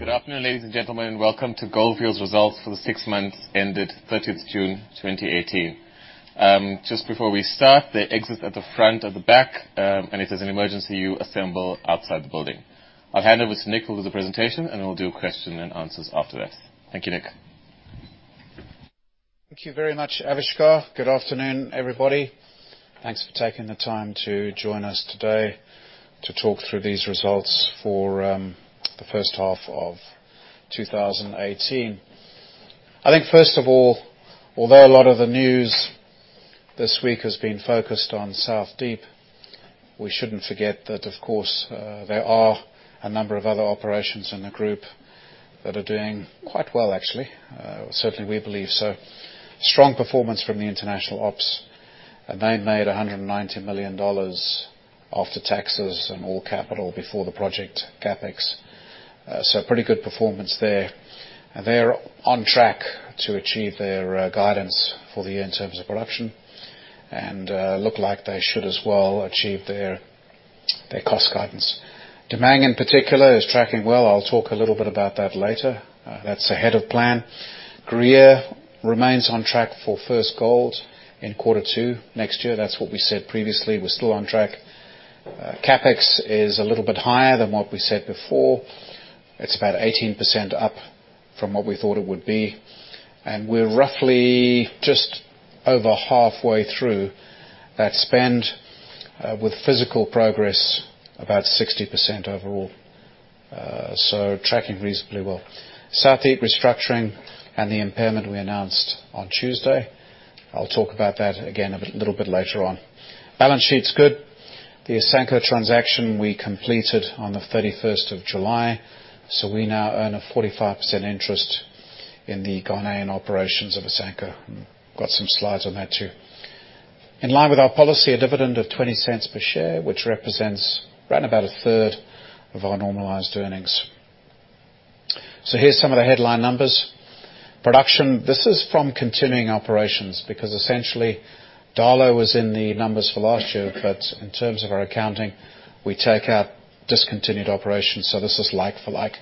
Good afternoon, ladies and gentlemen. Welcome to Gold Fields' results for the six months ended 30th June 2018. Just before we start, there are exits at the front, at the back, and if there's an emergency, you assemble outside the building. I'll hand over to Nick who will do the presentation. We'll do question and answers after that. Thank you, Nick. Thank you very much, Avishkar. Good afternoon, everybody. Thanks for taking the time to join us today to talk through these results for the first half of 2018. I think first of all, although a lot of the news this week has been focused on South Deep, we shouldn't forget that of course there are a number of other operations in the group that are doing quite well, actually. Certainly, we believe so. Strong performance from the international ops. They made ZAR 190 million after taxes and all capital before the project CapEx. Pretty good performance there. They're on track to achieve their guidance for the year in terms of production, and look like they should as well achieve their cost guidance. Damang in particular is tracking well. I'll talk a little bit about that later. That's ahead of plan. Gruyere remains on track for first gold in quarter two next year. That's what we said previously. We're still on track. CapEx is a little bit higher than what we said before. It's about 18% up from what we thought it would be, and we're roughly just over halfway through that spend, with physical progress about 60% overall. Tracking reasonably well. South Deep restructuring and the impairment we announced on Tuesday, I'll talk about that again a little bit later on. Balance sheet's good. The Asanko transaction we completed on the 31st of July. We now earn a 45% interest in the Ghanaian operations of Asanko. Got some slides on that, too. In line with our policy, a dividend of 0.20 per share, which represents around about a third of our normalized earnings. Here's some of the headline numbers. Production, this is from continuing operations, because essentially Darlot was in the numbers for last year. In terms of our accounting, we take out discontinued operations, this is like for like.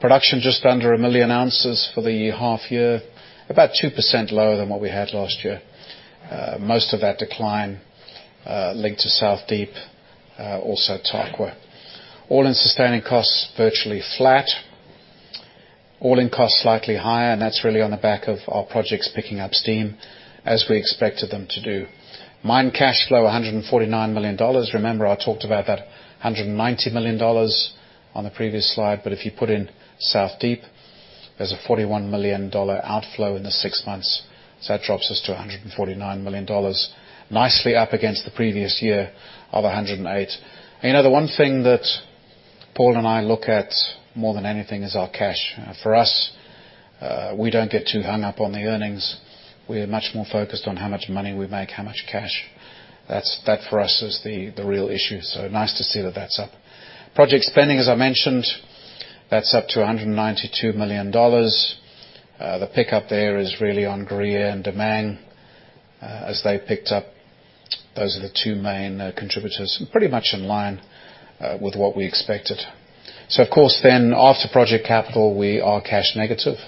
Production, just under a million ounces for the half year, about 2% lower than what we had last year. Most of that decline linked to South Deep, also Tarkwa. All-in sustaining costs, virtually flat. All-in costs, slightly higher, that's really on the back of our projects picking up steam, as we expected them to do. Mine cash flow, ZAR 149 million. Remember, I talked about that ZAR 190 million on the previous slide, but if you put in South Deep, there's a ZAR 41 million outflow in the six months. That drops us to ZAR 149 million. Nicely up against the previous year of 108. The one thing that Paul and I look at more than anything is our cash. For us, we don't get too hung up on the earnings. We're much more focused on how much money we make, how much cash. That for us is the real issue. Nice to see that that's up. Project spending, as I mentioned, that's up to ZAR 192 million. The pickup there is really on Gruyere and Damang, as they picked up. Those are the two main contributors, and pretty much in line with what we expected. Of course then, after project capital, we are cash-negative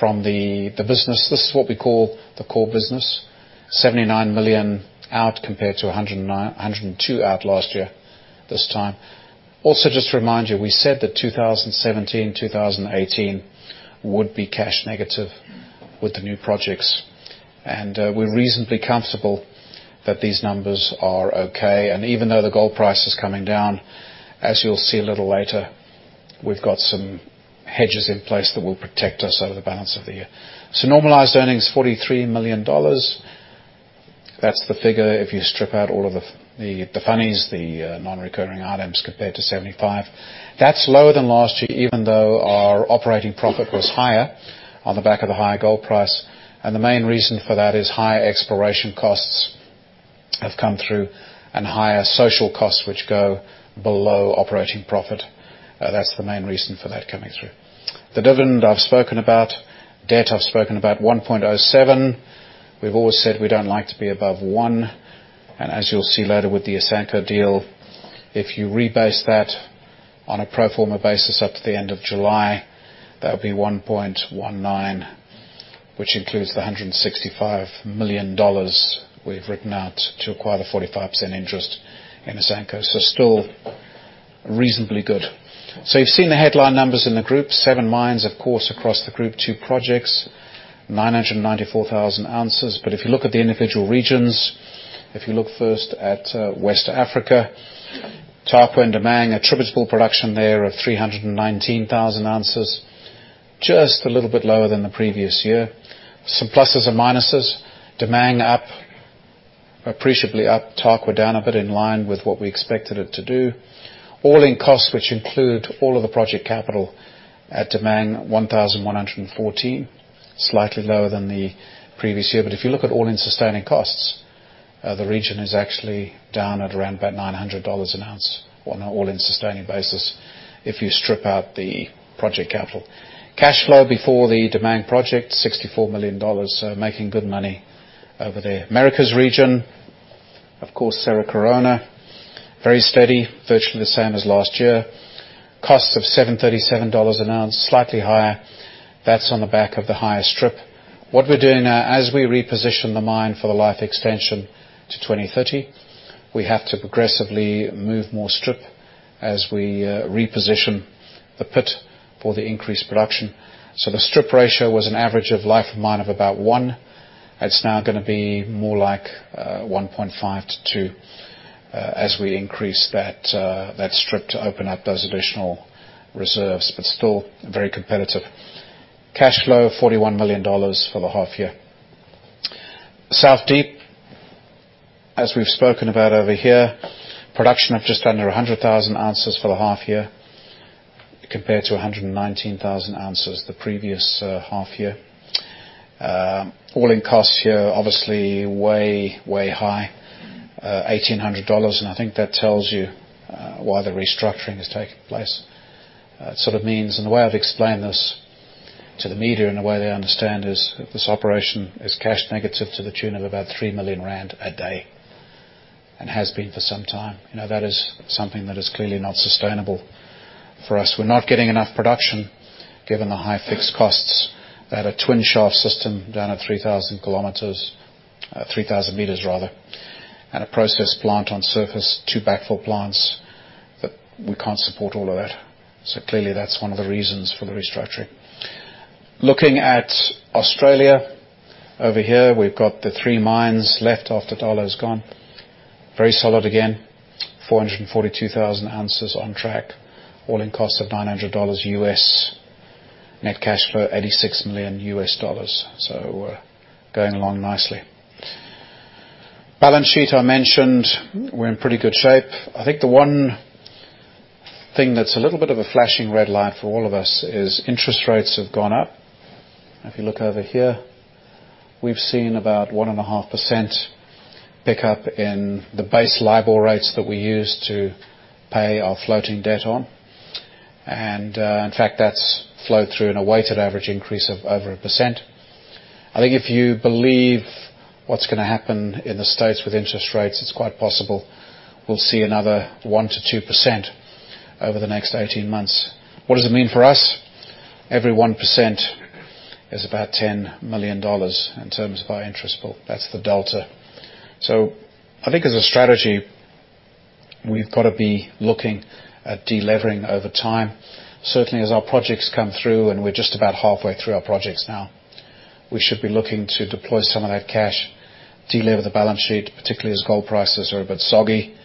from the business. This is what we call the core business, 79 million out compared to 102 million out last year this time. Also, just to remind you, we said that 2017, 2018 would be cash-negative with the new projects. We're reasonably comfortable that these numbers are okay. Even though the gold price is coming down, as you'll see a little later, we've got some hedges in place that will protect us over the balance of the year. Normalized earnings, ZAR 43 million. That's the figure if you strip out all of the funnies, the non-recurring items, compared to 75 million. That's lower than last year, even though our operating profit was higher on the back of the higher gold price. The main reason for that is higher exploration costs have come through and higher social costs which go below operating profit. That's the main reason for that coming through. The dividend I've spoken about. Debt I've spoken about, 1.07. We've always said we don't like to be above one. As you'll see later with the Asanko deal, if you rebase that on a pro forma basis up to the end of July, that would be 1.19, which includes the ZAR 165 million we've written out to acquire the 45% interest in Asanko. Still reasonably good. You've seen the headline numbers in the group. seven mines, of course, across the group, two projects, 994,000 ounces. If you look at the individual regions, if you look first at West Africa, Tarkwa and Damang, attributable production there of 319,000 ounces. Just a little bit lower than the previous year. Some pluses and minuses. Damang up, appreciably up. Tarkwa down a bit, in line with what we expected it to do. All-in costs, which include all of the project capital at Damang, 1,114. Slightly lower than the previous year. If you look at all-in sustaining costs, the region is actually down at around about ZAR 900 an ounce on an all-in sustaining basis if you strip out the project capital. Cash flow before the Damang project, ZAR 64 million, so making good money over there. Americas region Of course, Cerro Corona, very steady, virtually the same as last year. Cost of ZAR 737 an ounce, slightly higher. That's on the back of the higher strip. What we're doing now, as we reposition the mine for the life extension to 2030, we have to progressively move more strip as we reposition the pit for the increased production. The strip ratio was an average of life of mine of about one. It's now going to be more like 1.5 to 2 as we increase that strip to open up those additional reserves, but still very competitive. Cash flow of $41 million for the half year. South Deep, as we've spoken about over here, production of just under 100,000 ounces for the half year compared to 119,000 ounces the previous half year. all-in costs here, obviously way high, $1,800, and I think that tells you why the restructuring has taken place. It sort of means, and the way I've explained this to the media in a way they understand is, that this operation is cash negative to the tune of about 3 million rand a day and has been for some time. That is something that is clearly not sustainable for us. We're not getting enough production, given the high fixed costs. We had a Twin Shafts system down at 3,000 meters, and a process plant on surface, two backfill plants that we can't support all of that. Clearly that's one of the reasons for the restructuring. Looking at Australia, over here we've got the three mines left after Darlot's gone. Very solid again, 442,000 ounces on track, all-in cost of $900, net cash flow, $86 million. We're going along nicely. Balance sheet I mentioned, we're in pretty good shape. I think the one thing that's a little bit of a flashing red light for all of us is interest rates have gone up. If you look over here, we've seen about 1.5% pickup in the base LIBOR rates that we use to pay our floating debt on. In fact, that's flowed through in a weighted average increase of over 1%. I think if you believe what's going to happen in the States with interest rates, it's quite possible we'll see another 1%-2% over the next 18 months. What does it mean for us? Every 1% is about $10 million in terms of our interest bill. That's the delta. I think as a strategy, we've got to be looking at de-levering over time. Certainly, as our projects come through, and we're just about halfway through our projects now, we should be looking to deploy some of that cash, de-lever the balance sheet, particularly as gold prices are a bit soggy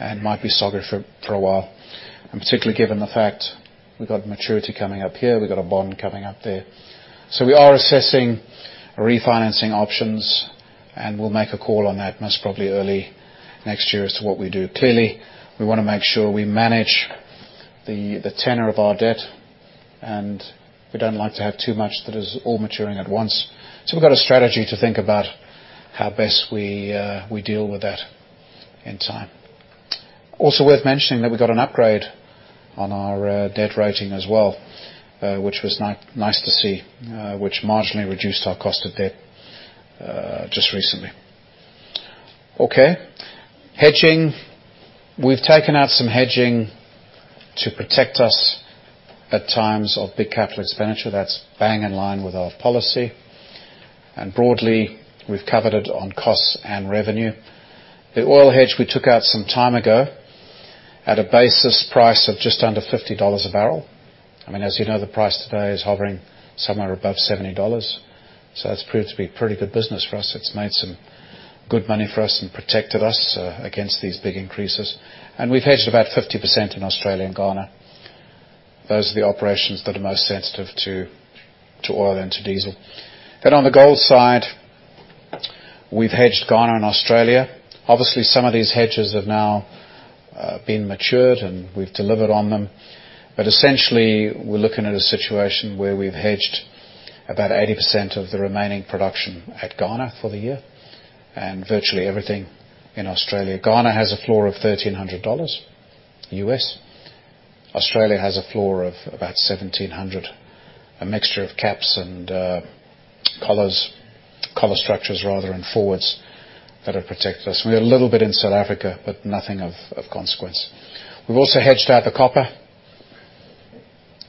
and might be soggy for a while. Particularly given the fact we've got maturity coming up here, we've got a bond coming up there. We are assessing refinancing options, and we'll make a call on that most probably early next year as to what we do. Clearly, we want to make sure we manage the tenor of our debt, and we don't like to have too much that is all maturing at once. We've got a strategy to think about how best we deal with that in time. Also worth mentioning that we got an upgrade on our debt rating as well, which was nice to see, which marginally reduced our cost of debt just recently. Okay. Hedging. We've taken out some hedging to protect us at times of big CapEx. That's bang in line with our policy. Broadly, we've covered it on costs and revenue. The oil hedge we took out some time ago at a basis price of just under $50 a barrel. As you know, the price today is hovering somewhere above $70. That's proved to be pretty good business for us. It's made some good money for us and protected us against these big increases. We've hedged about 50% in Australia and Ghana. Those are the operations that are most sensitive to oil and to diesel. On the gold side, we've hedged Ghana and Australia. Obviously, some of these hedges have now been matured and we've delivered on them. Essentially, we're looking at a situation where we've hedged 80% of the remaining production at Ghana for the year and virtually everything in Australia. Ghana has a floor of $1,300. Australia has a floor of about 1,700, a mixture of caps and collars, collar structures, rather, and forwards that have protected us. We have a little bit in South Africa, but nothing of consequence. We've also hedged out the copper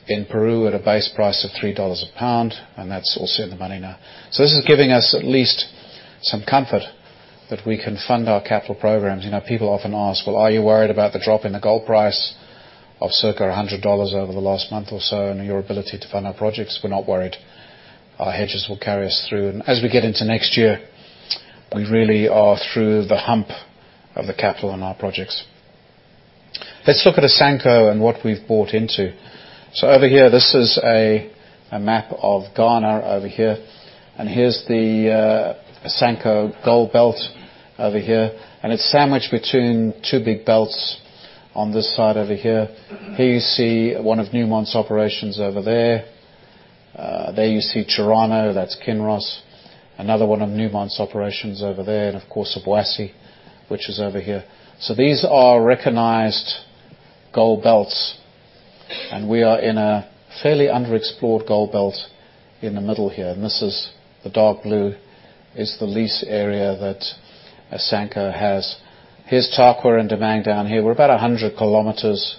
in Peru at a base price of $3 a pound, and that's also in the money now. This is giving us at least some comfort that we can fund our capital programs. People often ask, "Are you worried about the drop in the gold price of circa $100 over the last month or so and your ability to fund our projects?" We're not worried. Our hedges will carry us through. As we get into next year, we really are through the hump of the capital on our projects. Let's look at Asanko and what we've bought into. Over here, this is a map of Ghana, and here's the Asanko gold belt, and it's sandwiched between two big belts on this side. Here you see one of Newmont's operations. There you see Chirano, that's Kinross. Another one of Newmont's operations, and of course, Obuasi, which is over here. These are recognized gold belts. We are in a fairly underexplored gold belt in the middle here. This is the dark blue, is the lease area that Asanko has. Here's Tarkwa and Damang down here. We're 100 kilometers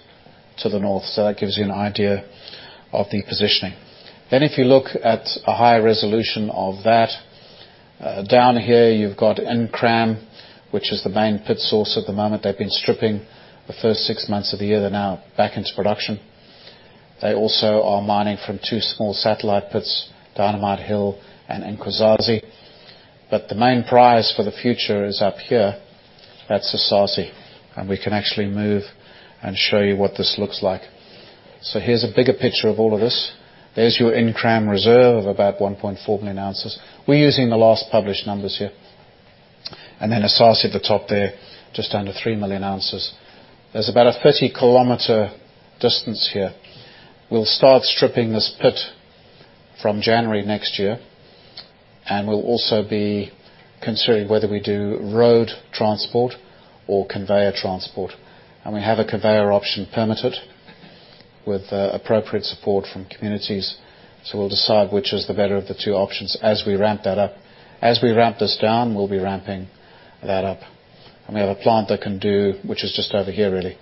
to the north, that gives you an idea of the positioning. If you look at a higher resolution of that, down here you've got Nkran, which is the main pit source at the moment. They've been stripping the first six months of the year. They're now back into production. They also are mining from two small satellite pits, Dynamite Hill and Akwasiso. The main prize for the future is up here. That's Esaase. We can actually move and show you what this looks like. Here's a bigger picture of all of this. There's your Nkran reserve of 1.4 million ounces. We're using the last published numbers here. Then Esaase at the top there, just under three million ounces. There's a 30-kilometer distance here. We'll start stripping this pit from January next year. We'll also be considering whether we do road transport or conveyor transport. We have a conveyor option permitted with appropriate support from communities. We'll decide which is the better of the two options as we ramp that up. As we ramp this down, we'll be ramping that up. We have a plant that can do, which is just over here really,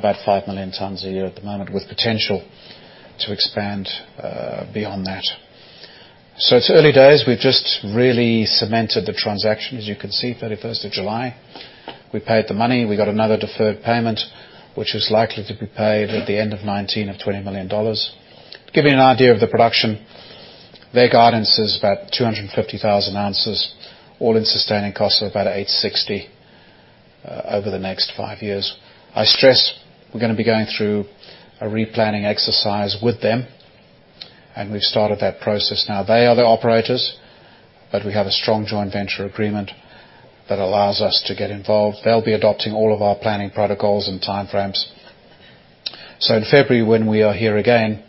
5 million tons a year at the moment, with potential to expand beyond that. It's early days. We've just really cemented the transaction. As you can see, 31st of July. We paid the money. We got another deferred payment, which is likely to be paid at the end of 2019 of ZAR 20 million. To give you an idea of the production, their guidance is about 250,000 ounces, all-in sustaining cost of about $860 over the next five years. I stress we're going to be going through a replanning exercise with them, and we've started that process now. They are the operators, but we have a strong joint venture agreement that allows us to get involved. They'll be adopting all of our planning protocols and time frames. In February, when we are here again,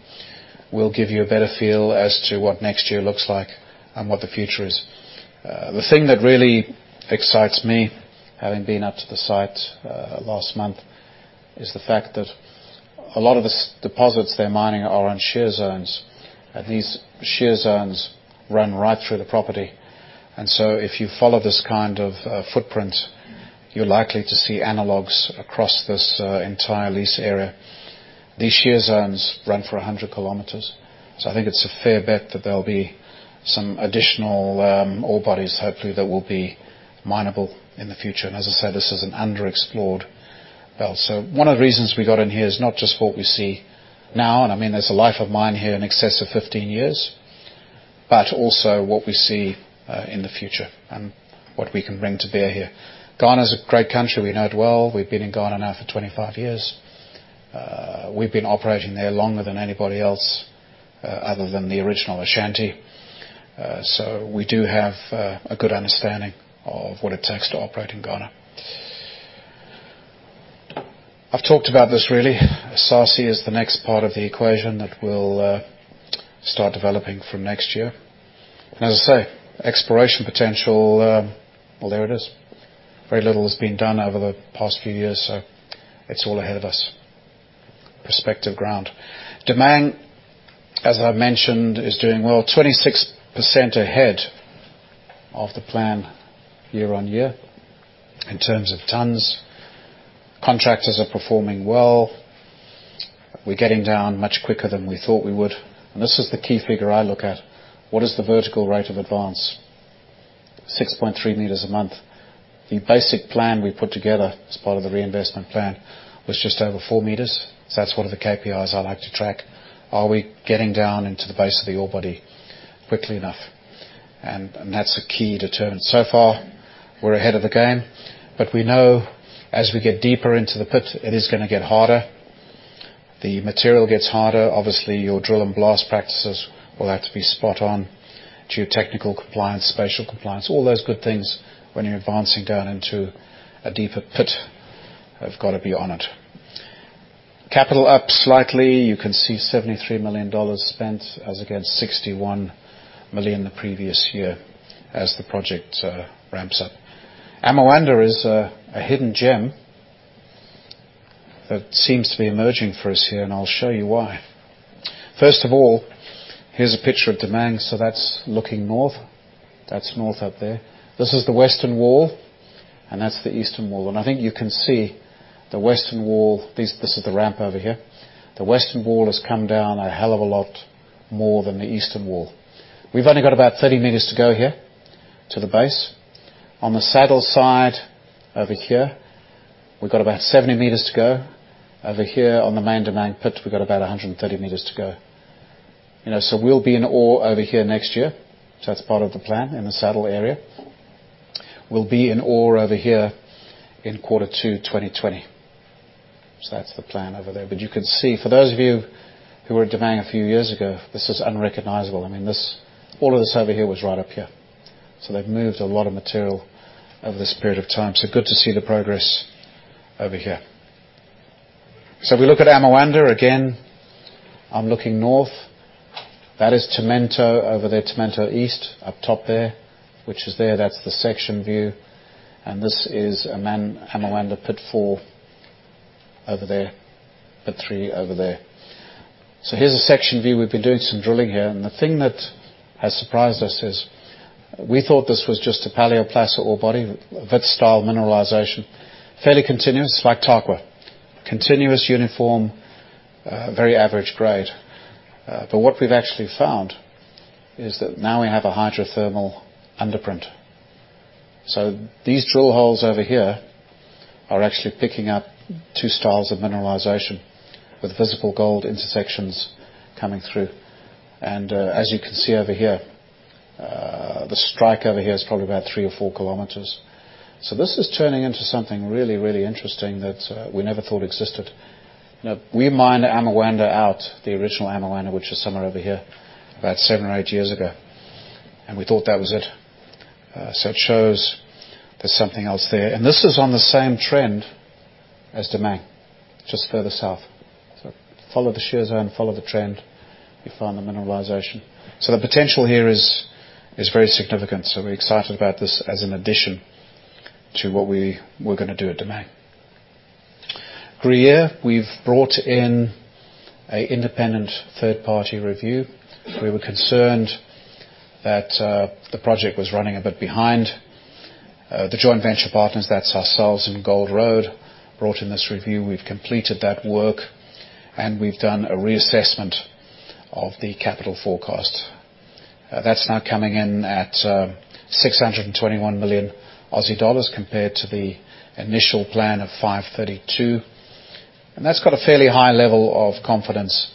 we'll give you a better feel as to what next year looks like and what the future is. The thing that really excites me, having been up to the site last month, is the fact that a lot of the deposits they're mining are on shear zones, and these shear zones run right through the property. If you follow this kind of footprint, you're likely to see analogs across this entire lease area. These shear zones run for 100 km. I think it's a fair bet that there'll be some additional ore bodies, hopefully, that will be mineable in the future. As I said, this is an underexplored belt. One of the reasons we got in here is not just what we see now, and I mean, there's a life of mine here in excess of 15 years, but also what we see in the future and what we can bring to bear here. Ghana's a great country. We know it well. We've been in Ghana now for 25 years. We've been operating there longer than anybody else other than the original Ashanti. We do have a good understanding of what it takes to operate in Ghana. I've talked about this really. Esaase is the next part of the equation that we'll start developing from next year. As I say, exploration potential, well, there it is. Very little has been done over the past few years, so it's all ahead of us. Prospective ground. Damang, as I've mentioned, is doing well. 26% ahead of the plan year-over-year in terms of tons. Contractors are performing well. We're getting down much quicker than we thought we would. This is the key figure I look at. What is the vertical rate of advance? 6.3 m a month. The basic plan we put together as part of the reinvestment plan was just over four meters. That's one of the KPIs I like to track. Are we getting down into the base of the ore body quickly enough? That's a key determinant. So far, we're ahead of the game, but we know as we get deeper into the pit, it is going to get harder. The material gets harder. Obviously, your drill and blast practices will have to be spot on. Geotechnical compliance, spatial compliance, all those good things when you're advancing down into a deeper pit have got to be on it. Capital up slightly. You can see $73 million spent as against $61 million the previous year as the project ramps up. Amoanda is a hidden gem that seems to be emerging for us here, and I'll show you why. First of all, here's a picture of Damang. That's looking north. That's north up there. This is the western wall, and that's the eastern wall. I think you can see the western wall, this is the ramp over here. The western wall has come down a hell of a lot more than the eastern wall. We've only got about 30 meters to go here to the base. On the saddle side over here, we've got about 70 meters to go. Over here on the main Damang pit, we've got about 130 meters to go. We'll be in ore over here next year. That's part of the plan in the saddle area. We'll be in ore over here in quarter 2 2020. That's the plan over there. You can see for those of you who were at Damang a few years ago, this is unrecognizable. I mean, all of this over here was right up here. They've moved a lot of material over this period of time. Good to see the progress over here. If we look at Amoanda, again, I'm looking north. That is Tomento over there, Tomento East up top there, which is there. That's the section view. This is Amoanda Pit 4 over there, Pit 3 over there. Here's a section view. We've been doing some drilling here, and the thing that has surprised us is we thought this was just a paleoplacer ore body, Witwatersrand-style mineralization. Fairly continuous, like Tarkwa. Continuous, uniform, very average grade. What we've actually found is that now we have a hydrothermal underprint. These drill holes over here are actually picking up two styles of mineralization with visible gold intersections coming through. As you can see over here, the strike over here is probably about three or four kilometers. This is turning into something really, really interesting that we never thought existed. We mined Amoanda out, the original Amoanda, which was somewhere over here, about seven or eight years ago, and we thought that was it. It shows there's something else there. This is on the same trend as Damang, just further south. Follow the shear zone, follow the trend, you find the mineralization. The potential here is very significant. We're excited about this as an addition to what we were going to do at Damang. Gruyere, we've brought in an independent third-party review. We were concerned that the project was running a bit behind. The joint venture partners, that's ourselves and Gold Road, brought in this review. We've completed that work, and we've done a reassessment of the capital forecast. That's now coming in at 621 million Aussie dollars compared to the initial plan of 532 million. That's got a fairly high level of confidence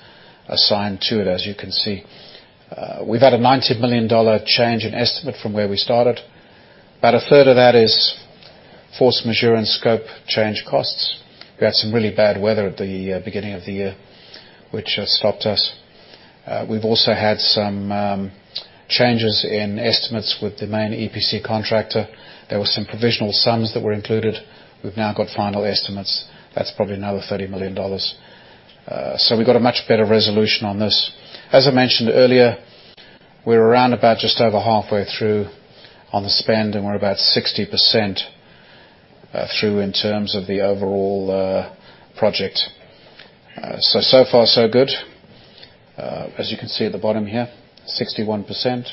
assigned to it, as you can see. We've had an 90 million dollar change in estimate from where we started. About a third of that is force majeure and scope change costs. We had some really bad weather at the beginning of the year, which has stopped us. We've also had some changes in estimates with the main EPC contractor. There were some provisional sums that were included. We've now got final estimates. That's probably another 30 million dollars. We've got a much better resolution on this. As I mentioned earlier, we're around about just over halfway through on the spend, and we're about 60% through in terms of the overall project. So far so good. As you can see at the bottom here, 61%.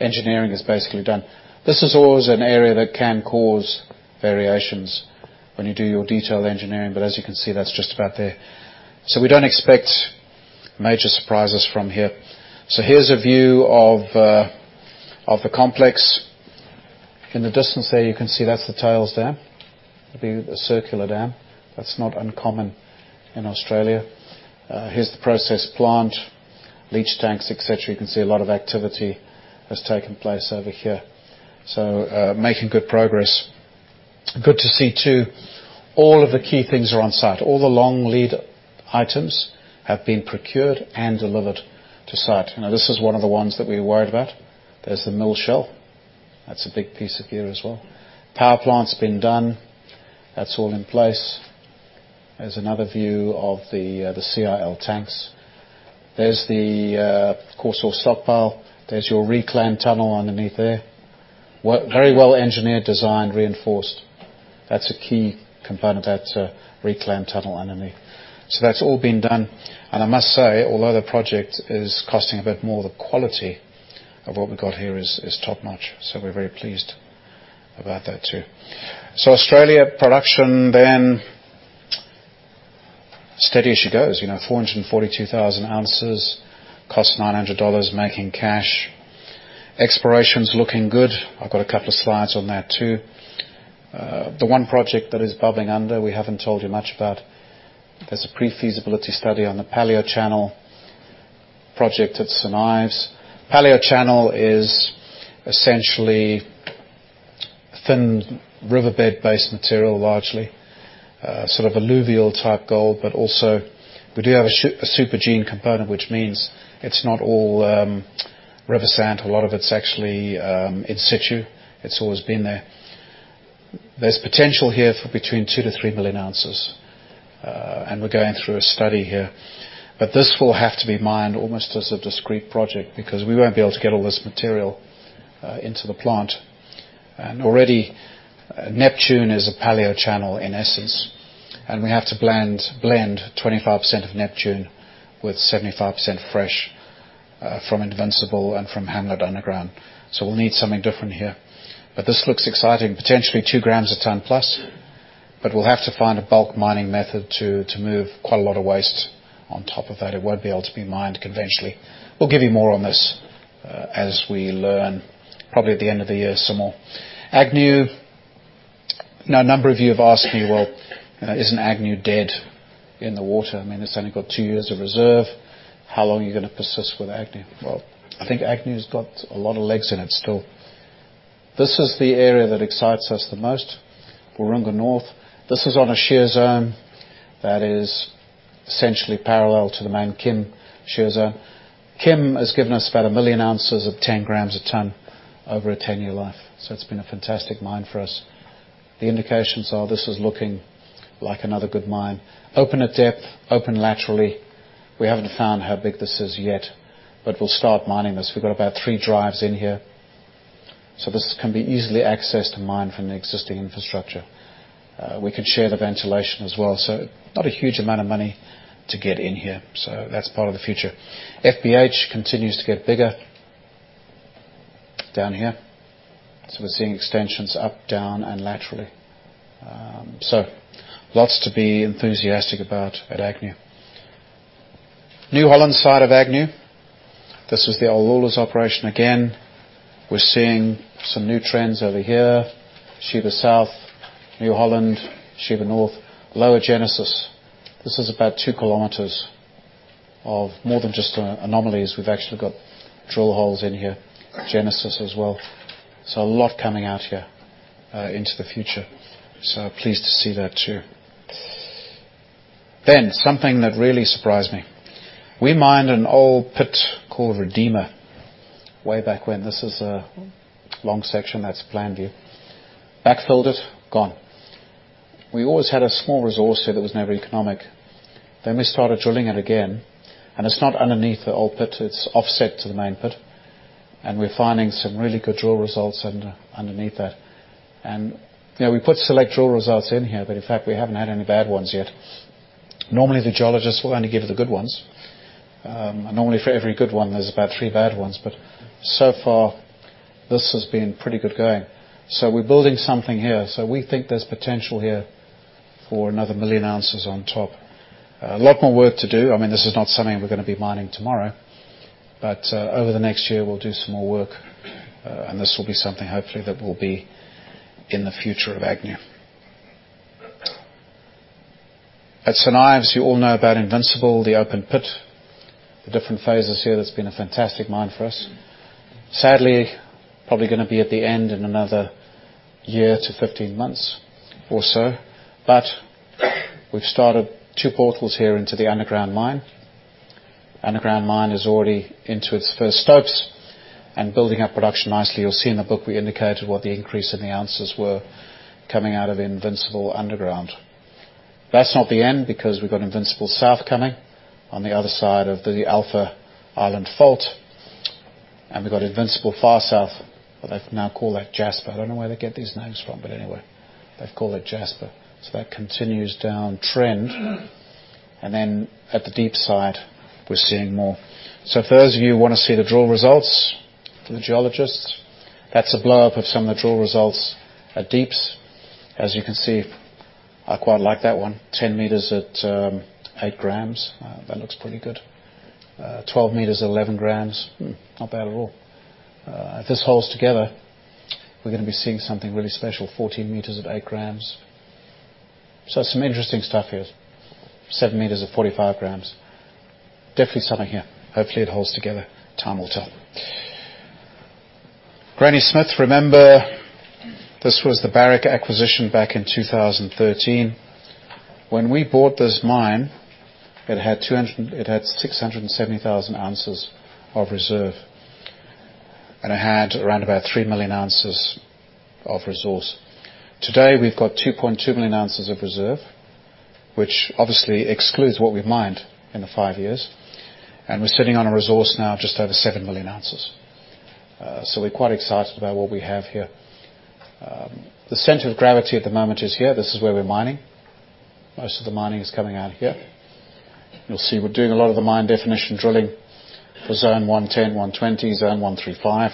Engineering is basically done. This is always an area that can cause variations when you do your detailed engineering. As you can see, that's just about there. We don't expect major surprises from here. Here's a view of the complex. In the distance there you can see that's the tails dam. The circular dam. That's not uncommon in Australia. Here's the process plant, leach tanks, et cetera. You can see a lot of activity has taken place over here. Making good progress. Good to see too, all of the key things are on-site. All the long lead items have been procured and delivered to site. This is one of the ones that we worried about. There's the mill shell. That's a big piece of gear as well. Power plant's been done. That's all in place. There's another view of the CIL tanks. There's the coarse ore stockpile. There's your reclaim tunnel underneath there. Very well engineered, designed, reinforced. That's a key component, that reclaim tunnel underneath. That's all been done. I must say, although the project is costing a bit more, the quality of what we've got here is top-notch. We're very pleased about that too. Australia production, steady as she goes. 442,000 ounces, cost 900 dollars, making cash. Exploration's looking good. I've got a couple of slides on that too. The one project that is bubbling under we haven't told you much about, there's a pre-feasibility study on the Palaeochannel project at St Ives. Palaeochannel is essentially thinned riverbed-based material, largely. Sort of alluvial-type gold, but also we do have a super gene component, which means it's not all river sand. A lot of it's actually in situ. It's always been there. There's potential here for between 2 million-3 million ounces. We're going through a study here. This will have to be mined almost as a discrete project because we won't be able to get all this material into the plant. Already, Neptune is a Palaeochannel in essence, and we have to blend 25% of Neptune with 75% fresh from Invincible and from Hamlet underground. We'll need something different here. This looks exciting. Potentially two grams a ton plus. We'll have to find a bulk mining method to move quite a lot of waste on top of that. It won't be able to be mined conventionally. We'll give you more on this as we learn, probably at the end of the year some more. Agnew, a number of you have asked me, "Isn't Agnew dead in the water? It's only got two years of reserve. How long are you going to persist with Agnew?" I think Agnew's got a lot of legs in it still. This is the area that excites us the most, Waroonga North. This is on a shear zone that is essentially parallel to the main Kim shear zone. Kim has given us about 1 million ounces of 10 grams a ton over a 10-year life. It's been a fantastic mine for us. The indications are this is looking like another good mine. Open at depth, open laterally. We haven't found how big this is yet, but we'll start mining this. We've got about three drives in here. This can be easily accessed and mined from the existing infrastructure. We can share the ventilation as well. Not a huge amount of money to get in here. That's part of the future. FBH continues to get bigger down here. We're seeing extensions up, down, and laterally. Lots to be enthusiastic about at Agnew. Lawlers side of Agnew. This was the old Lawlers operation. Again, we're seeing some new trends over here. Sheba South, Lawlers, Sheba North, Lower Genesis. This is about two kilometers of more than just anomalies. We've actually got drill holes in here. Genesis as well. A lot coming out here into the future. Pleased to see that too. Something that really surprised me. We mined an old pit called Redeemer way back when. This is a long section that's plan view. Backfilled it, gone. We always had a small resource here that was never economic. We started drilling it again, and it's not underneath the old pit, it's offset to the main pit, and we're finding some really good drill results underneath that. We put select drill results in here, but in fact, we haven't had any bad ones yet. Normally, the geologists will only give you the good ones. Normally for every good one, there's about three bad ones, but so far this has been pretty good going. We're building something here. We think there's potential here for another million ounces on top. A lot more work to do. I mean, this is not something we're going to be mining tomorrow, but over the next year, we'll do some more work, and this will be something hopefully that will be in the future of Agnew. At St Ives, you all know about Invincible, the open pit, the different phases here. That's been a fantastic mine for us. Sadly, probably going to be at the end in another year to 15 months or so. We've started two portals here into the underground mine. Underground mine is already into its first stopes and building up production nicely. You'll see in the book we indicated what the increase in the ounces were coming out of Invincible underground. That's not the end because we've got Invincible South coming on the other side of the Alpha Island Fault, we've got Invincible Far South, but they now call that Jasper. I don't know where they get these names from, they've called it Jasper. That continues down trend. At the deep side, we're seeing more. For those of you who want to see the drill results, for the geologists, that's a blow-up of some of the drill results at deeps. As you can see, I quite like that one, 10 meters at eight grams. That looks pretty good. 12 meters at 11 grams. Not bad at all. If this holds together, we're going to be seeing something really special. 14 meters at eight grams. Some interesting stuff here. Seven meters at 45 grams. Definitely something here. Hopefully, it holds together. Time will tell. Granny Smith, remember this was the Barrick acquisition back in 2013. When we bought this mine, it had 670,000 ounces of reserve. It had around about 3 million ounces of resource. Today, we've got 2.2 million ounces of reserve, which obviously excludes what we mined in the five years. We're sitting on a resource now of just over 7 million ounces. We're quite excited about what we have here. The center of gravity at the moment is here. This is where we're mining. Most of the mining is coming out here. You'll see we're doing a lot of the mine definition drilling for zone 110, 120, zone 135.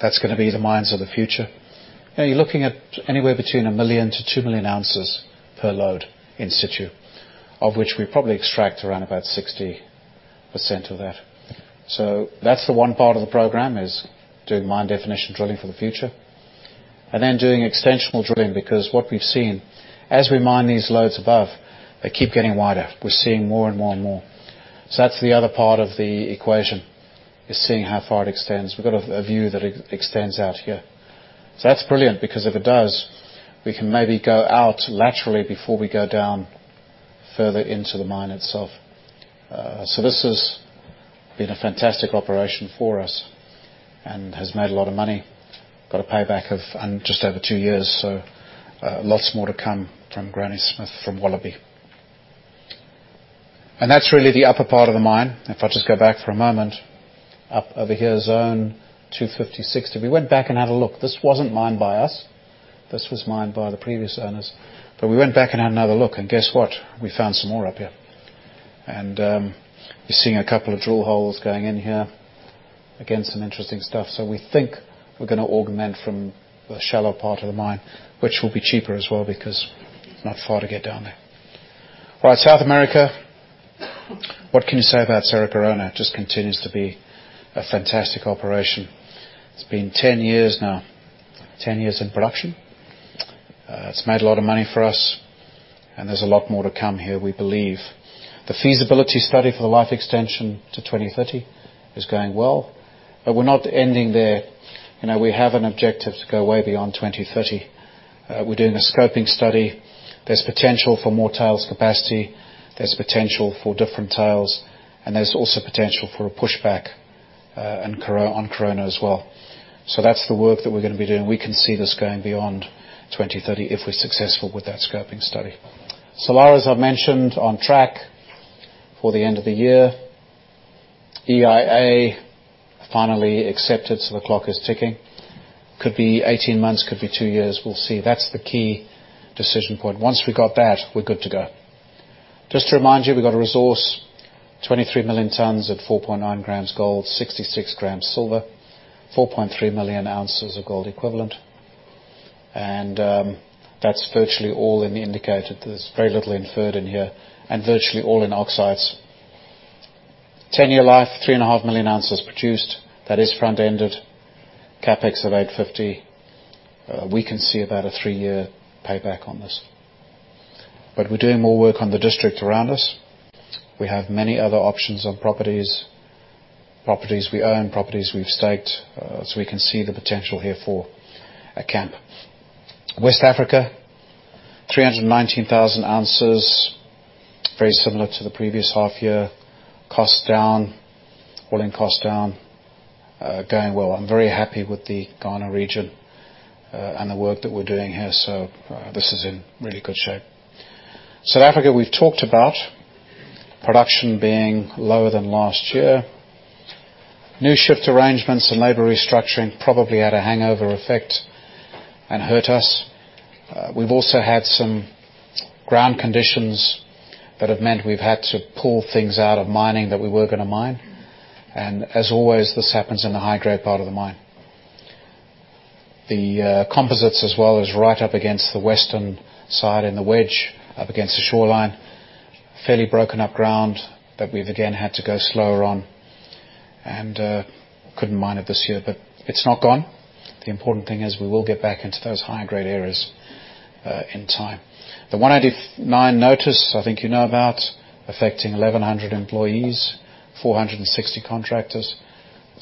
That's going to be the mines of the future. You're looking at anywhere between 1 million to 2 million ounces per load in situ, of which we probably extract around about 60% of that. That's the one part of the program is doing mine definition drilling for the future, and then doing extensional drilling, because what we've seen as we mine these loads above, they keep getting wider. We're seeing more and more and more. That's the other part of the equation is seeing how far it extends. We've got a view that extends out here. That's brilliant because if it does, we can maybe go out laterally before we go down further into the mine itself. This has been a fantastic operation for us and has made a lot of money. Got a payback of just over two years, lots more to come from Granny Smith from Wallaby. That's really the upper part of the mine. If I just go back for a moment, up over here, zone 250, 60. We went back and had a look. This wasn't mined by us. This was mined by the previous owners. We went back and had another look, and guess what? We found some more up here. You're seeing a couple of drill holes going in here. Again, some interesting stuff. We think we're going to augment from the shallow part of the mine, which will be cheaper as well because it's not far to get down there. Right, South America. What can you say about Cerro Corona? Just continues to be a fantastic operation. It's been 10 years now. 10 years in production. It's made a lot of money for us, and there's a lot more to come here, we believe. The feasibility study for the life extension to 2030 is going well, but we're not ending there. We have an objective to go way beyond 2030. We're doing a scoping study. There's potential for more tails capacity, there's potential for different tails, and there's also potential for a pushback on Corona as well. That's the work that we're going to be doing. We can see this going beyond 2030 if we're successful with that scoping study. Salares as I've mentioned, on track for the end of the year. EIA finally accepted. The clock is ticking. Could be 18 months, could be two years. We'll see. That's the key decision point. Once we've got that, we're good to go. Just to remind you, we've got a resource, 23 million tons at 4.9 grams gold, 66 grams silver, 4.3 million ounces of gold equivalent. That's virtually all in the indicated. There's very little inferred in here, and virtually all in oxides. 10-year life, 3.5 million ounces produced, that is front-ended. CapEx of $850. We can see about a 3-year payback on this. We're doing more work on the district around us. We have many other options on properties. Properties we own, properties we've staked. We can see the potential here for a camp. West Africa, 319,000 ounces. Very similar to the previous half year. Costs down. All-in costs down. Going well. I'm very happy with the Ghana region and the work that we're doing here, this is in really good shape. South Africa we've talked about. Production being lower than last year. New shift arrangements and labor restructuring probably had a hangover effect and hurt us. We've also had some ground conditions that have meant we've had to pull things out of mining that we weren't going to mine. As always, this happens in the high-grade part of the mine. The composites as well is right up against the western side in the wedge up against the shoreline. Fairly broken up ground that we've again had to go slower on and couldn't mine it this year, it's not gone. The important thing is we will get back into those high-grade areas in time. The Section 189 notice, I think you know about, affecting 1,100 employees, 460 contractors.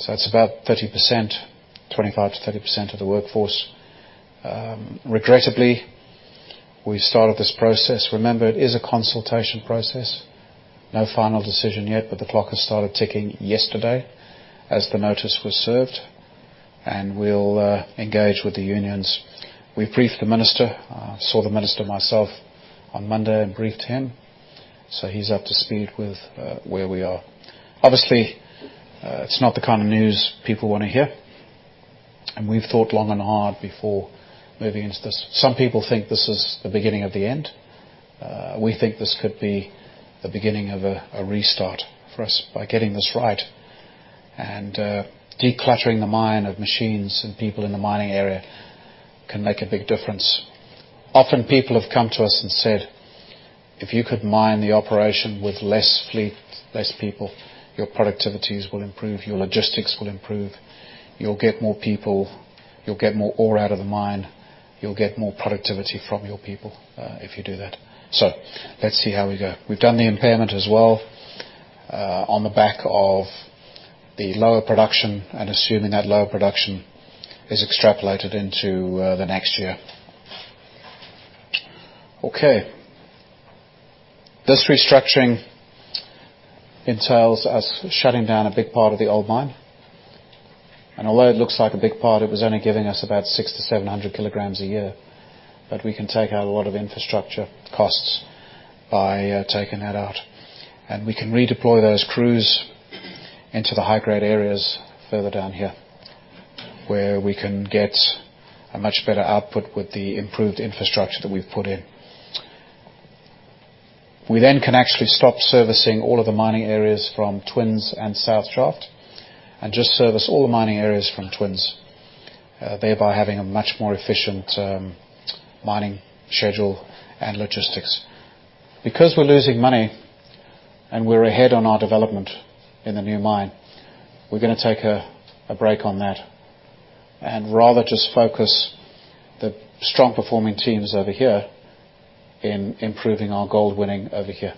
That's about 30%, 25%-30% of the workforce. Regrettably, we started this process. Remember, it is a consultation process. No final decision yet, but the clock has started ticking yesterday as the notice was served. We'll engage with the unions. We briefed the minister. I saw the minister myself on Monday and briefed him. He's up to speed with where we are. Obviously, it's not the kind of news people want to hear, we've thought long and hard before moving into this. Some people think this is the beginning of the end. We think this could be the beginning of a restart for us by getting this right, decluttering the mine of machines and people in the mining area can make a big difference. Often people have come to us and said, "If you could mine the operation with less fleet, less people, your productivities will improve, your logistics will improve. You'll get more people, you'll get more ore out of the mine, you'll get more productivity from your people if you do that." Let's see how we go. We've done the impairment as well on the back of the lower production assuming that lower production is extrapolated into the next year. Okay. This restructuring entails us shutting down a big part of the old mine. Although it looks like a big part, it was only giving us about 600-700 kilograms a year. We can take out a lot of infrastructure costs by taking that out. We can redeploy those crews into the high-grade areas further down here, where we can get a much better output with the improved infrastructure that we've put in. We can actually stop servicing all of the mining areas from Twins and South Shaft and just service all the mining areas from Twins, thereby having a much more efficient mining schedule and logistics. We're losing money and we're ahead on our development in the new mine, we're going to take a break on that and rather just focus the strong performing teams over here in improving our gold winning over here.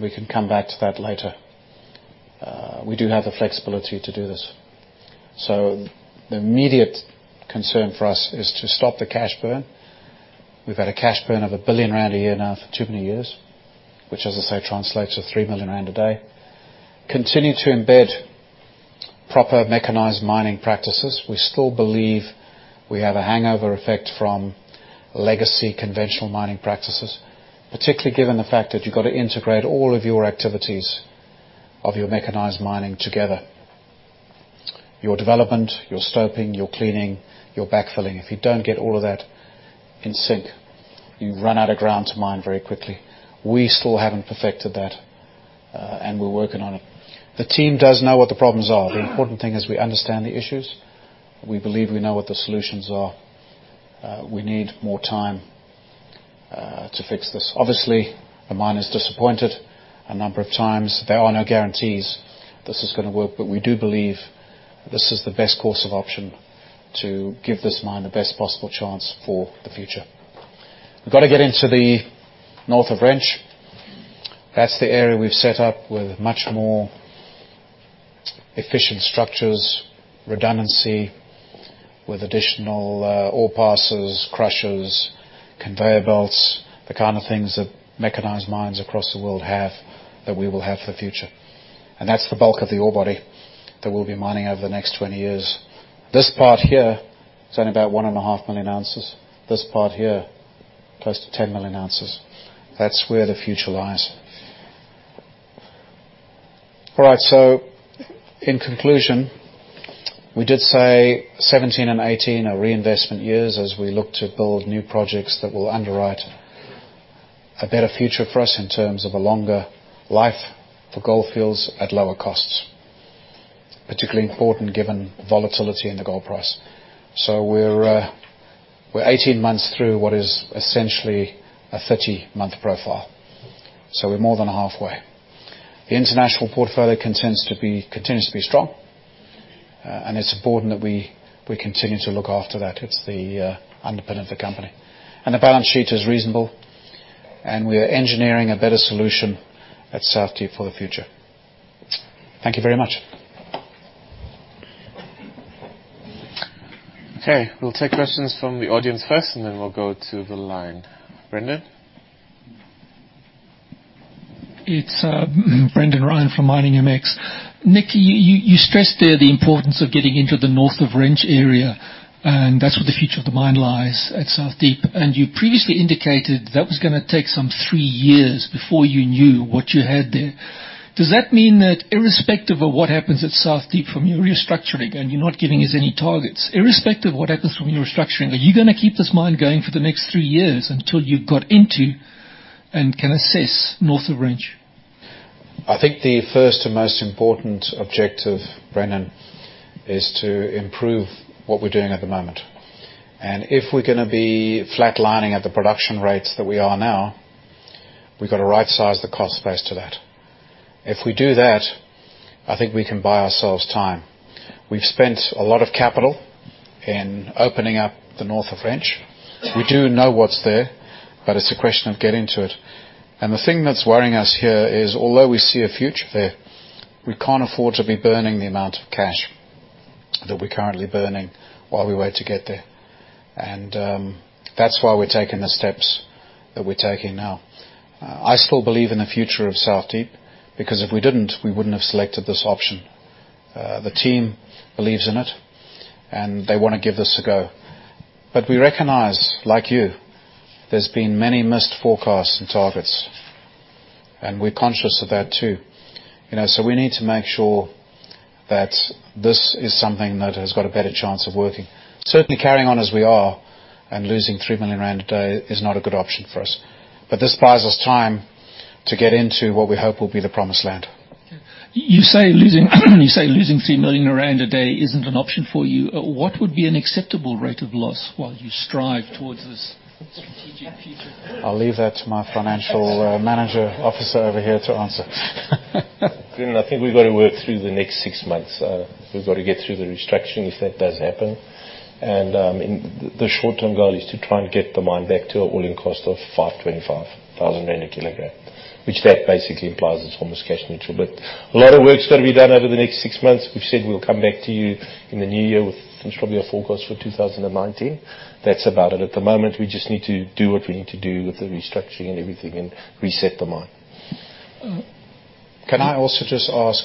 We can come back to that later. We do have the flexibility to do this. The immediate concern for us is to stop the cash burn. We've had a cash burn of 1 billion rand a year now for too many years, which as I say, translates to 3 million rand a day. Continue to embed proper mechanized mining practices. We still believe we have a hangover effect from legacy conventional mining practices, particularly given the fact that you've got to integrate all of your activities of your mechanized mining together. Your development, your stoping, your cleaning, your backfilling. If you don't get all of that in sync, you run out of ground to mine very quickly. We still haven't perfected that, and we're working on it. The team does know what the problems are. The important thing is we understand the issues. We believe we know what the solutions are. We need more time to fix this. Obviously, the mine is disappointed a number of times. There are no guarantees this is going to work, but we do believe this is the best course of option to give this mine the best possible chance for the future. We've got to get into the North of Wrench. That's the area we've set up with much more efficient structures, redundancy with additional ore passes, crushers, conveyor belts, the kind of things that mechanized mines across the world have, that we will have for the future. That's the bulk of the ore body that we'll be mining over the next 20 years. This part here is only about one and a half million ounces. This part here, close to 10 million ounces. That's where the future lies. All right. In conclusion, we did say 2017 and 2018 are reinvestment years as we look to build new projects that will underwrite a better future for us in terms of a longer life for Gold Fields at lower costs, particularly important given volatility in the gold price. We're 18 months through what is essentially a 30-month profile, so we're more than halfway. The international portfolio continues to be strong, and it's important that we continue to look after that. It's the underpin of the company. The balance sheet is reasonable, and we are engineering a better solution at South Deep for the future. Thank you very much. We'll take questions from the audience first and then we'll go to the line. Brendan? It is Brendan Ryan from Miningmx. Nick, you stressed there the importance of getting into the North of Wrench area, and that is where the future of the mine lies at South Deep. You previously indicated that was going to take some three years before you knew what you had there. Does that mean that irrespective of what happens at South Deep from your restructuring, and you are not giving us any targets, irrespective of what happens from your restructuring, are you going to keep this mine going for the next three years until you have got into and can assess North of Wrench? I think the first and most important objective, Brendan, is to improve what we are doing at the moment. If we are going to be flatlining at the production rates that we are now, we have got to right-size the cost base to that. If we do that, I think we can buy ourselves time. We have spent a lot of capital in opening up the North of Wrench. We do know what is there, but it is a question of getting to it. The thing that is worrying us here is, although we see a future there, we cannot afford to be burning the amount of cash that we are currently burning while we wait to get there. That is why we are taking the steps that we are taking now. I still believe in the future of South Deep, because if we did not, we would not have selected this option. The team believes in it, and they want to give this a go. We recognize, like you, there has been many missed forecasts and targets, and we are conscious of that too. We need to make sure that this is something that has got a better chance of working. Certainly, carrying on as we are and losing 3 million rand a day is not a good option for us. This buys us time to get into what we hope will be the promised land. You say losing 3 million rand a day is not an option for you. What would be an acceptable rate of loss while you strive towards this strategic future? I'll leave that to my Chief Financial Officer over here to answer. Brendan, I think we've got to work through the next six months. We've got to get through the restructuring if that does happen. The short-term goal is to try and get the mine back to an all-in cost of 525,000 rand a kilogram, which that basically implies it's almost cash neutral. A lot of work's got to be done over the next six months. We've said we'll come back to you in the new year with probably a forecast for 2019. That's about it. At the moment, we just need to do what we need to do with the restructuring and everything and reset the mine. Can I also just ask,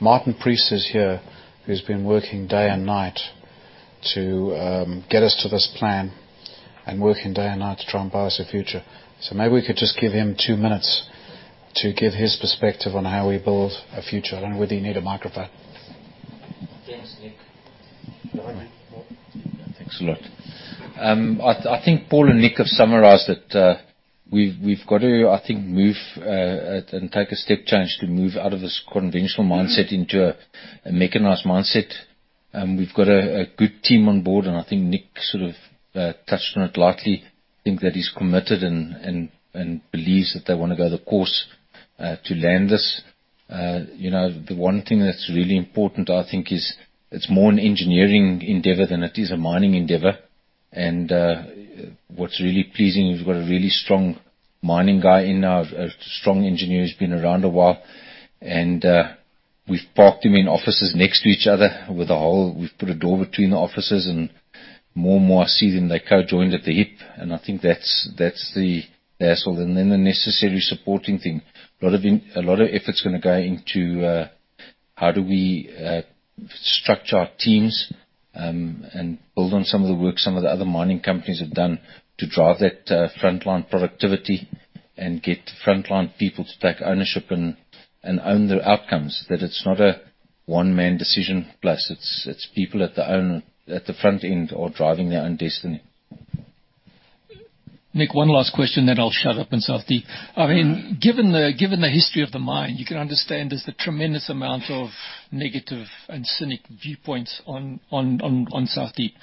Martin Preece is here, who's been working day and night to get us to this plan and working day and night to try and buy us a future. Maybe we could just give him two minutes to give his perspective on how we build a future. I don't know whether you need a microphone. Thanks, Nick. No worries. Thanks a lot. I think Paul and Nick have summarized that we've got to, I think, move and take a step change to move out of this conventional mindset into a mechanized mindset. We've got a good team on board, and I think Nick sort of touched on it lightly. I think that he's committed and believes that they want to go the course to land this. The one thing that's really important, I think, is it's more an engineering endeavor than it is a mining endeavor. What's really pleasing is we've got a really strong mining guy in our strong engineers, been around a while, and we've parked them in offices next to each other. We've put a door between the offices, and more and more I see them, they're kind of joined at the hip, and I think that's the hassle. The necessary supporting thing. A lot of effort's going to go into how do we structure our teams, and build on some of the work some of the other mining companies have done to drive that frontline productivity and get frontline people to take ownership and own their outcomes. That it's not a one-man decision place. It's people at the front end who are driving their own destiny. Nick, one last question then I'll shut up on South Deep. Given the history of the mine, you can understand there's a tremendous amount of negative and cynic viewpoints on South Deep.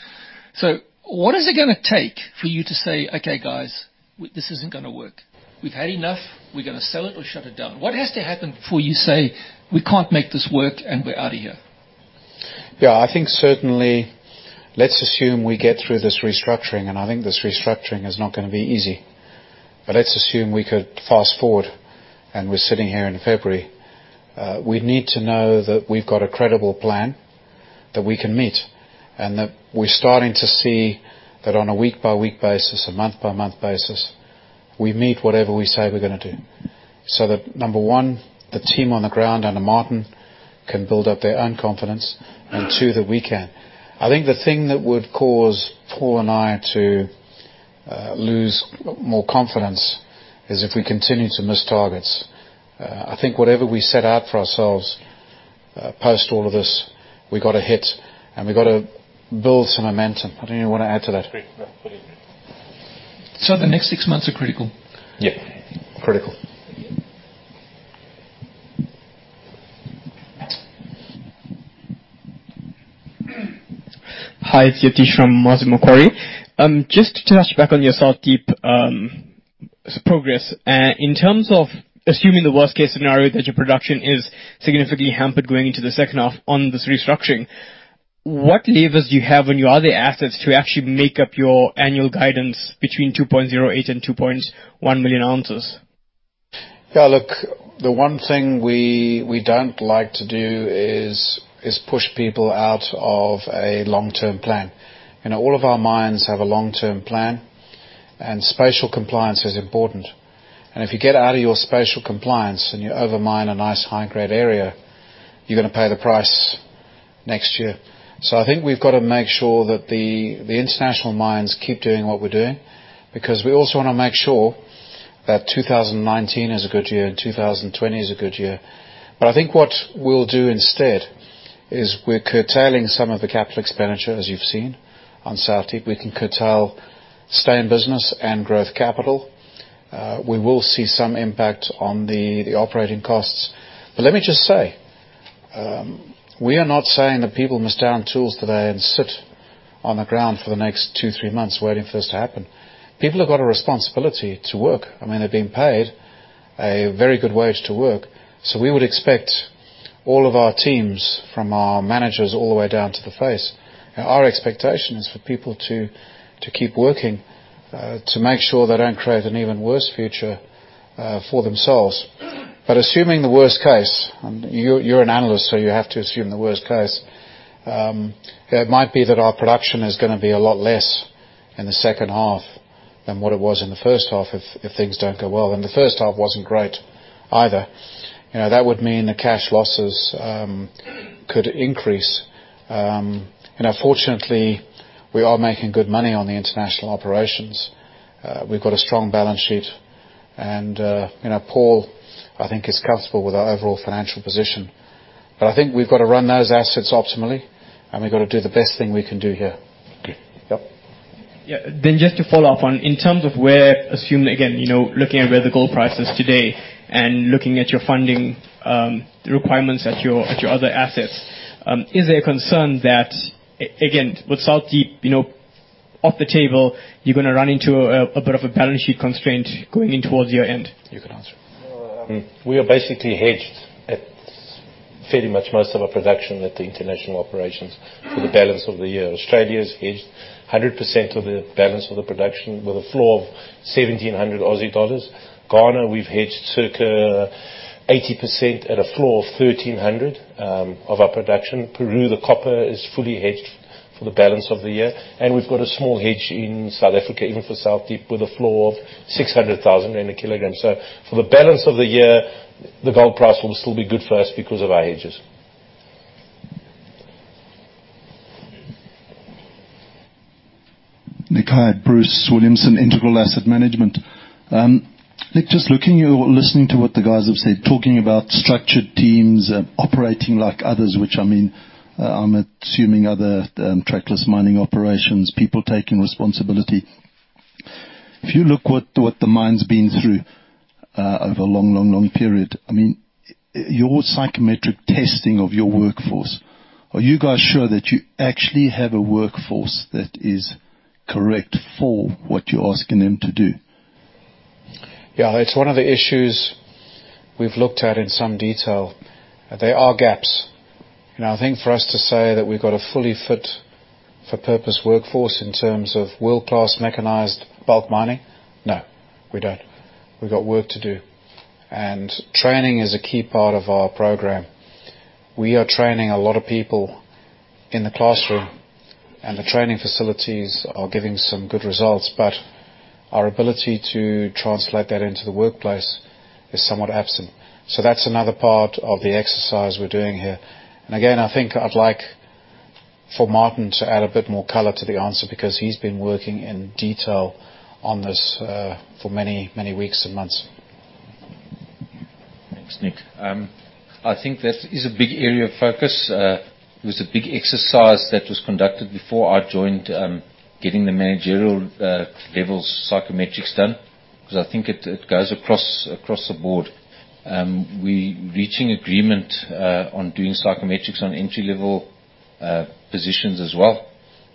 What is it going to take for you to say, "Okay, guys, this isn't going to work. We've had enough. We're going to sell it or shut it down"? What has to happen before you say, "We can't make this work and we're out of here"? Yeah. I think certainly, let's assume we get through this restructuring, and I think this restructuring is not gonna be easy. Let's assume we could fast-forward and we're sitting here in February. We need to know that we've got a credible plan that we can meet, and that we're starting to see that on a week-by-week basis, a month-by-month basis, we meet whatever we say we're going to do. That, number one, the team on the ground under Martin can build up their own confidence, and two, that we can. I think the thing that would cause Paul and me to lose more confidence is if we continue to miss targets. I think whatever we set out for ourselves, post all of this, we've got to hit, and we've got to build some momentum. I don't even want to add to that. That's great. No, go ahead, Nick. The next six months are critical? Yeah. Critical. Hi, it's Yatish from Macquarie. Just to touch back on your South Deep progress. In terms of assuming the worst-case scenario that your production is significantly hampered going into the second half on this restructuring, what levers do you have on your other assets to actually make up your annual guidance between 2.08 and 2.1 million ounces? Look, the one thing we don't like to do is push people out of a long-term plan. All of our mines have a long-term plan, and spatial compliance is important. If you get out of your spatial compliance and you over-mine a nice high-grade area, you're going to pay the price next year. I think we've got to make sure that the international mines keep doing what we're doing, because we also want to make sure that 2019 is a good year and 2020 is a good year. I think what we'll do instead is we're curtailing some of the capital expenditure, as you've seen on South Deep. We can curtail stay-in business and growth capital. We will see some impact on the operating costs. Let me just say, we are not saying that people must down tools today and sit on the ground for the next two, three months waiting for this to happen. People have got a responsibility to work. They're being paid a very good wage to work. We would expect all of our teams, from our managers all the way down to the face, our expectation is for people to keep working, to make sure they don't create an even worse future for themselves. Assuming the worst case, you're an analyst, so you have to assume the worst case. It might be that our production is going to be a lot less in the second half than what it was in the first half if things don't go well, and the first half wasn't great either. That would mean the cash losses could increase. Fortunately, we are making good money on the international operations. We've got a strong balance sheet. Paul, I think, is comfortable with our overall financial position. I think we've got to run those assets optimally, and we've got to do the best thing we can do here. Yep. Yeah. Just to follow up on, in terms of where, assume again, looking at where the gold price is today and looking at your funding requirements at your other assets, is there a concern that, again, with South Deep off the table, you're going to run into a bit of a balance sheet constraint going in towards year-end? You can answer. We are basically hedged at fairly much most of our production at the international operations for the balance of the year. Australia is hedged 100% of the balance of the production with a floor of 1,700 Aussie dollars. Ghana, we've hedged circa 80% at a floor of $1,300 of our production. Peru, the copper is fully hedged for the balance of the year, and we've got a small hedge in South Africa, even for South Deep, with a floor of 600,000 in a kilogram. For the balance of the year, the gold price will still be good for us because of our hedges. Nick, hi. It's Bruce Williamson, Integral Asset Management. Nick, just looking or listening to what the guys have said, talking about structured teams operating like others, which, I'm assuming other trackless mining operations, people taking responsibility. If you look what the mine's been through, over a long period, your psychometric testing of your workforce, are you guys sure that you actually have a workforce that is correct for what you're asking them to do? It's one of the issues we've looked at in some detail. There are gaps. I think for us to say that we've got a fully fit for purpose workforce in terms of world-class mechanized bulk mining, no, we don't. We've got work to do. Training is a key part of our program. We are training a lot of people in the classroom, and the training facilities are giving some good results, but our ability to translate that into the workplace is somewhat absent. That's another part of the exercise we're doing here. Again, I think I'd like for Martin to add a bit more color to the answer because he's been working in detail on this for many weeks and months. Thanks, Nick. I think that is a big area of focus. It was a big exercise that was conducted before I joined, getting the managerial levels psychometrics done, because I think it goes across the board. We're reaching agreement on doing psychometrics on entry-level positions as well,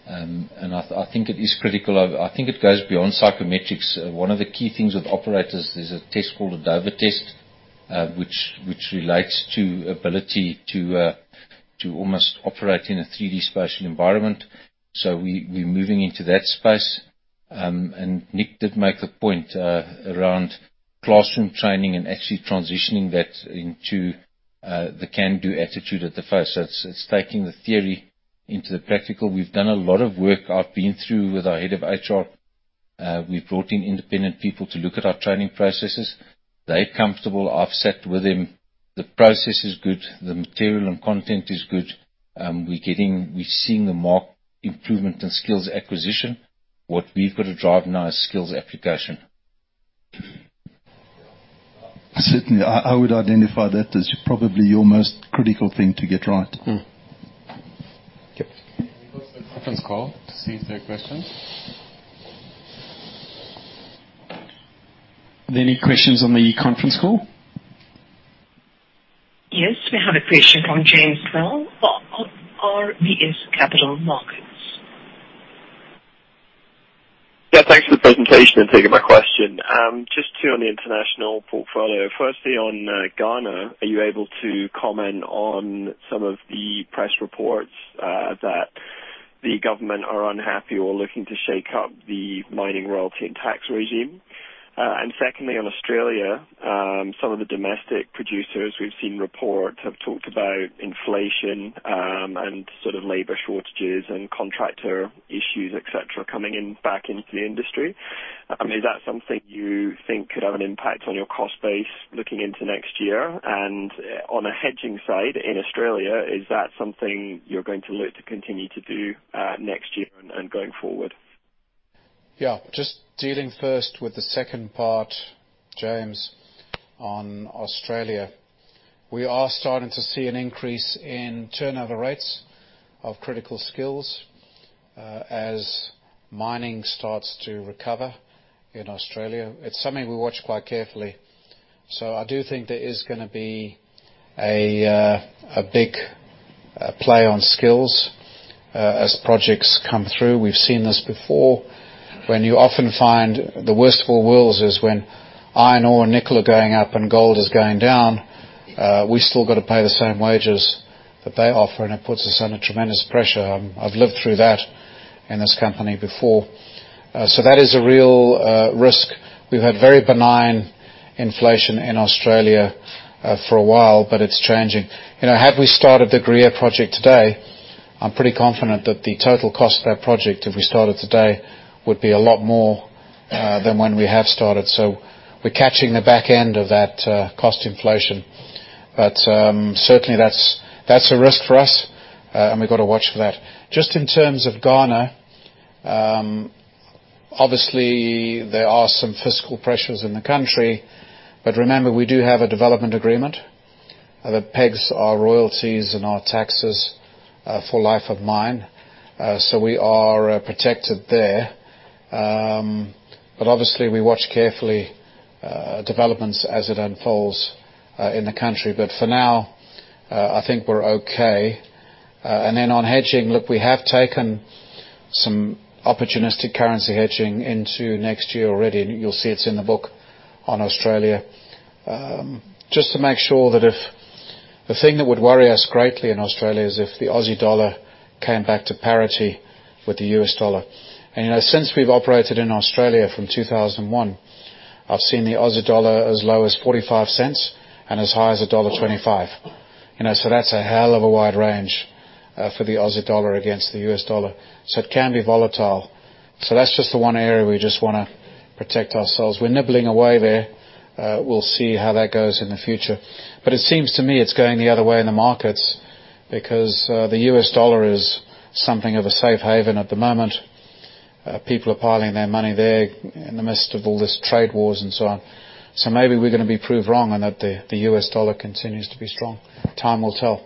and I think it is critical. I think it goes beyond psychometrics. One of the key things with operators, there's a test called a Dover Test Which relates to ability to almost operate in a 3D spatial environment. We're moving into that space. Nick did make the point around classroom training and actually transitioning that into the can-do attitude at the face. It's taking the theory into the practical. We've done a lot of work. I've been through with our head of HR. We've brought in independent people to look at our training processes. They're comfortable. I've sat with them. The process is good. The material and content is good. We're seeing a marked improvement in skills acquisition. What we've got to drive now is skills application. Certainly, I would identify that as probably your most critical thing to get right. Yep. Can we go to the conference call to see if there are questions? Are there any questions on the conference call? Yes, we have a question from James Thomson of RBC Capital Markets. Thanks for the presentation and taking my question. Just two on the international portfolio. Firstly, on Ghana, are you able to comment on some of the press reports that the government are unhappy or looking to shake up the mining royalty and tax regime? Secondly, on Australia, some of the domestic producers, we've seen reports have talked about inflation, and labor shortages and contractor issues, et cetera, coming back into the industry. I mean, is that something you think could have an impact on your cost base looking into next year? On the hedging side in Australia, is that something you're going to look to continue to do next year and going forward? Yeah. Just dealing first with the second part, James, on Australia. We are starting to see an increase in turnover rates of critical skills, as mining starts to recover in Australia. It's something we watch quite carefully. I do think there is gonna be a big play on skills, as projects come through. We've seen this before when you often find the worst of all worlds is when iron ore and nickel are going up and gold is going down. We've still got to pay the same wages that they offer, and it puts us under tremendous pressure. I've lived through that in this company before. That is a real risk. We've had very benign inflation in Australia for a while, but it's changing. Had we started the Gruyere project today, I'm pretty confident that the total cost of that project, if we started today, would be a lot more than when we have started. We're catching the back end of that cost inflation. Certainly, that's a risk for us, and we've got to watch for that. Just in terms of Ghana, obviously, there are some fiscal pressures in the country. Remember, we do have a development agreement that pegs our royalties and our taxes for life of mine. We are protected there. Obviously, we watch carefully developments as it unfolds in the country. For now, I think we're okay. On hedging, look, we have taken some opportunistic currency hedging into next year already, and you'll see it's in the book on Australia. Just to make sure that if the thing that would worry us greatly in Australia is if the Aussie dollar came back to parity with the U.S. dollar. Since we've operated in Australia from 2001, I've seen the Aussie dollar as low as 0.45 and as high as dollar 1.25. That's a hell of a wide range for the Aussie dollar against the U.S. dollar. It can be volatile. That's just the one area we just want to protect ourselves. We're nibbling away there. We'll see how that goes in the future. It seems to me it's going the other way in the markets because, the U.S. dollar is something of a safe haven at the moment. People are piling their money there in the midst of all these trade wars and so on. Maybe we're going to be proved wrong and that the U.S. dollar continues to be strong. Time will tell.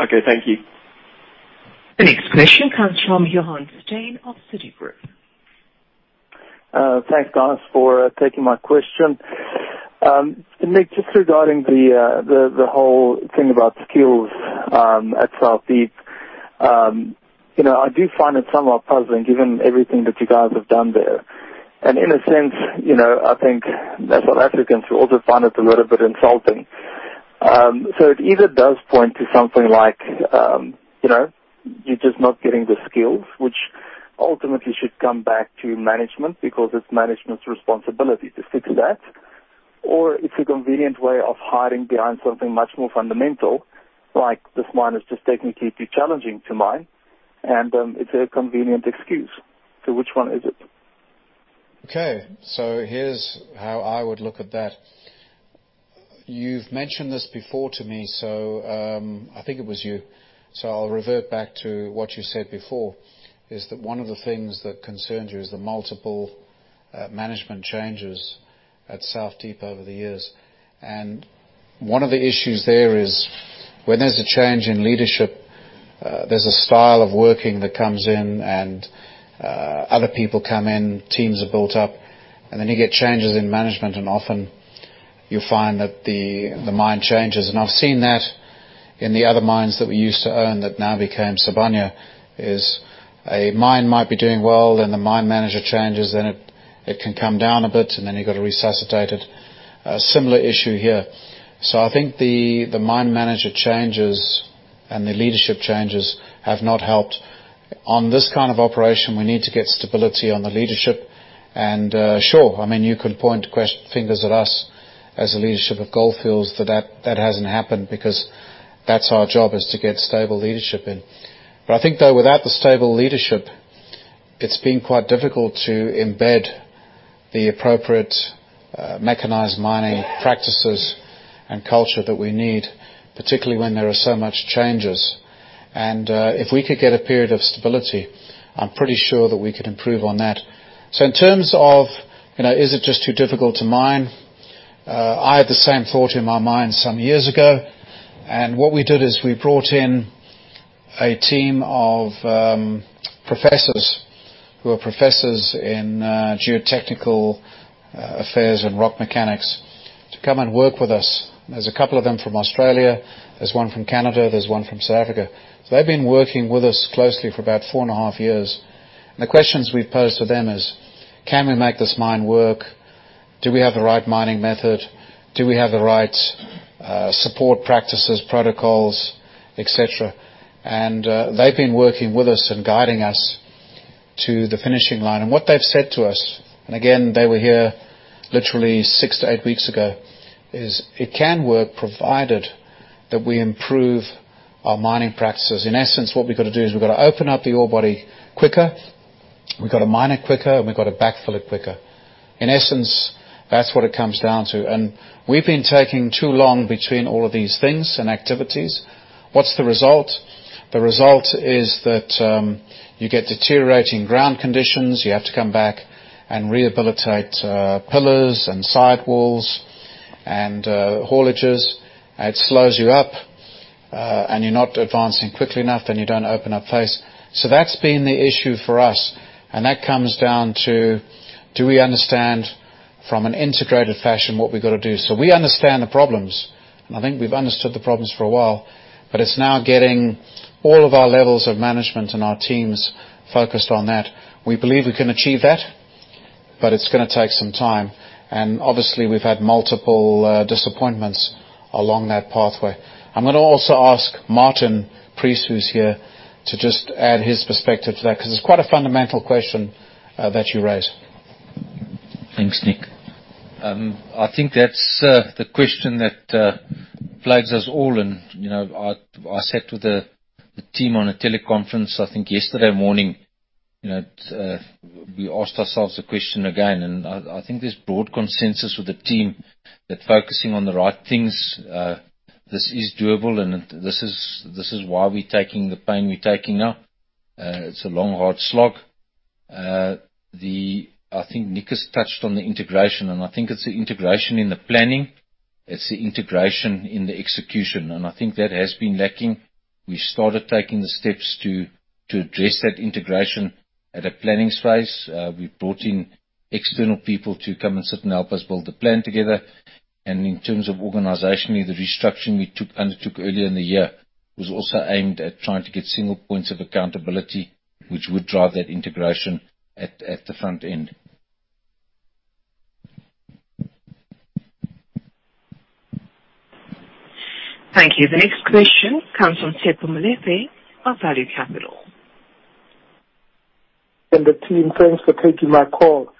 Okay. Thank you. The next question comes from Johann Steyn of Citigroup. Thanks, guys, for taking my question. Nick, just regarding the whole thing about skills at South Deep. I do find it somewhat puzzling given everything that you guys have done there. In a sense, I think that South Africans will also find it a little bit insulting. It either does point to something like you're just not getting the skills, which ultimately should come back to management because it's management's responsibility to fix that. It's a convenient way of hiding behind something much more fundamental, like this mine is just technically too challenging to mine, and it's a convenient excuse. Which one is it? Okay, here's how I would look at that. You've mentioned this before to me, I think it was you, I'll revert back to what you said before, is that one of the things that concerned you is the multiple management changes at South Deep over the years. One of the issues there is when there's a change in leadership, there's a style of working that comes in and other people come in, teams are built up, and then you get changes in management and often You find that the mine changes. I've seen that in the other mines that we used to own that now became Sibanye. A mine might be doing well, the mine manager changes, it can come down a bit, and then you've got to resuscitate it. A similar issue here. I think the mine manager changes and the leadership changes have not helped. On this kind of operation, we need to get stability on the leadership. Sure, you could point fingers at us as the leadership of Gold Fields that that hasn't happened, because that's our job, is to get stable leadership in. I think, though, without the stable leadership, it's been quite difficult to embed the appropriate mechanized mining practices and culture that we need, particularly when there are so much changes. If we could get a period of stability, I'm pretty sure that we could improve on that. In terms of, is it just too difficult to mine? I had the same thought in my mind some years ago. What we did is we brought in a team of professors, who are professors in geotechnical affairs and rock mechanics, to come and work with us. There's a couple of them from Australia, there's one from Canada, there's one from South Africa. They've been working with us closely for about four and a half years. The questions we posed to them is, can we make this mine work? Do we have the right mining method? Do we have the right support practices, protocols, et cetera? They've been working with us and guiding us to the finishing line. What they've said to us, and again, they were here literally six to eight weeks ago, is it can work provided that we improve our mining practices. In essence, what we've got to do is we've got to open up the ore body quicker, we've got to mine it quicker, and we've got to backfill it quicker. In essence, that's what it comes down to. We've been taking too long between all of these things and activities. What's the result? The result is that you get deteriorating ground conditions. You have to come back and rehabilitate pillars and sidewalls and haulages. It slows you up, and you're not advancing quickly enough, then you don't open up face. That's been the issue for us. That comes down to, do we understand from an integrated fashion what we've got to do? We understand the problems, and I think we've understood the problems for a while, but it's now getting all of our levels of management and our teams focused on that. We believe we can achieve that, but it's going to take some time. Obviously, we've had multiple disappointments along that pathway. I'm going to also ask Martin Preece, who's here, to just add his perspective to that, because it's quite a fundamental question that you raised. Thanks, Nick. I think that's the question that plagues us all. I sat with the team on a teleconference, I think, yesterday morning. We asked ourselves the question again. I think there's broad consensus with the team that focusing on the right things, this is doable, and this is why we're taking the pain we're taking now. It's a long, hard slog. I think Nick has touched on the integration, and I think it's the integration in the planning. It's the integration in the execution. I think that has been lacking. We started taking the steps to address that integration at a planning space. We've brought in external people to come and sit and help us build the plan together. In terms of organizationally, the restructuring we undertook earlier in the year was also aimed at trying to get single points of accountability, which would drive that integration at the front end. Thank you. The next question comes from Tshepo Molefe of Value Capital. The team, thanks for taking my call.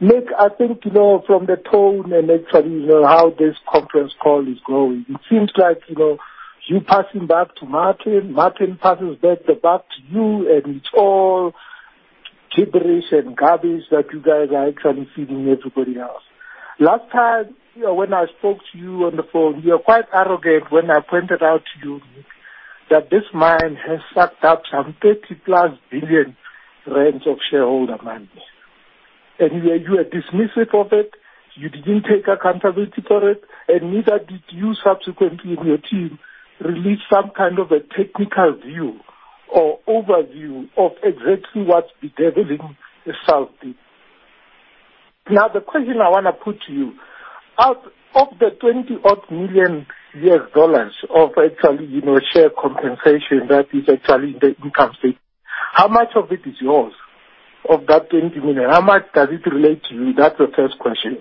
Nick, I think you know from the tone and actually how this conference call is going, it seems like you're passing back to Martin passes back the bat to you, and it's all gibberish and garbage that you guys are actually feeding everybody else. Last time when I spoke to you on the phone, you were quite arrogant when I pointed out to you that this mine has sucked up some 30-plus billion rand of shareholder money. You were dismissive of it. You didn't take accountability for it, and neither did you subsequently or your team release some kind of a technical view or overview of exactly what's bedeviling South Deep. The question I want to put to you, out of the $20-odd million U.S. dollars of actually share compensation that is actually in the income statement, how much of it is yours, of that $20 million? How much does it relate to you? That's the 1st question.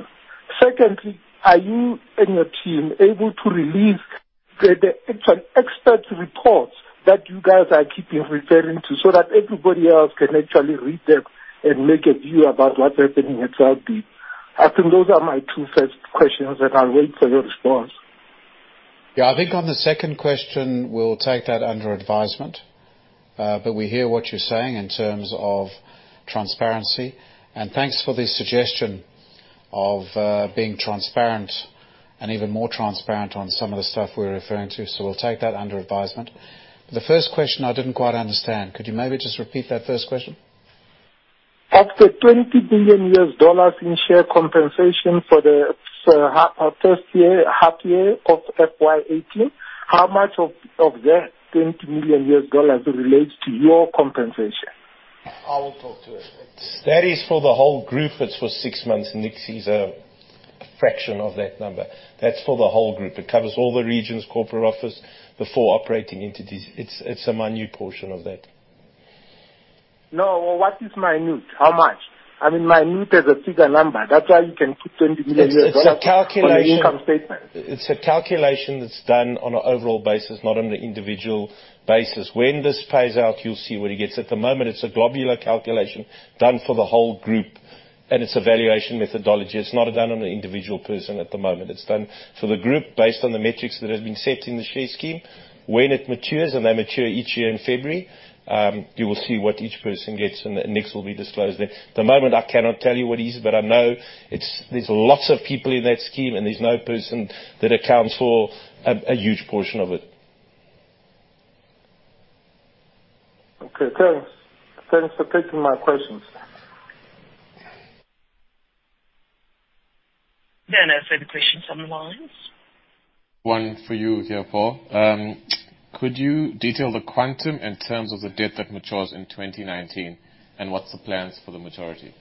Secondly, are you and your team able to release the expert reports that you guys are keeping referring to so that everybody else can actually read them and make a view about what's happening at South Deep? I think those are my 2 first questions, and I'll wait for your response. I think on the 2nd question, we'll take that under advisement. We hear what you're saying in terms of transparency. Thanks for the suggestion of being transparent and even more transparent on some of the stuff we're referring to. We'll take that under advisement. The 1st question I didn't quite understand. Could you maybe just repeat that 1st question? Of the $20 billion U.S. dollars in share compensation for the first half year of FY 2018, how much of that $20 million U.S. dollars relates to your compensation? I will talk to her first. That is for the whole group. It's for six months. Nick sees a fraction of that number. That's for the whole group. It covers all the regions, corporate office, the 4 operating entities. It's a minute portion of that. No. What is minute? How much? Minute is a figure number. That's why you can put $20 million It's a calculation- -on the Income Statement. It's a calculation that's done on an overall basis, not on the individual basis. When this pays out, you'll see what he gets. At the moment, it's a global calculation done for the whole group, and it's valuation methodology. It's not done on an individual person at the moment. It's done for the group based on the metrics that have been set in the share scheme. When it matures, and they mature each year in February, you will see what each person gets, and Nick's will be disclosed then. At the moment, I cannot tell you what his is, but I know there's lots of people in that scheme, and there's no person that accounts for a huge portion of it. Okay. Thanks for taking my questions. There are no further questions on the lines. One for you, Paul. Could you detail the quantum in terms of the debt that matures in 2019, and what's the plans for the maturity?